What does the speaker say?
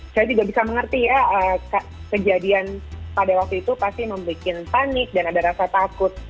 saya juga bisa mengerti ya kejadian pada waktu itu pasti membuat panik dan ada rasa takut